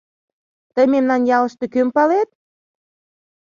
Тый мемнан ялыште кӧм палет?